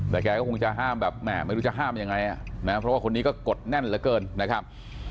แต่แกก็คงจะห้ามแบบแม่ไม่รู้จะห้ามยังไงนะเพราะว่าคนนี้ก็กดแน่นเหลือเกินนะครับ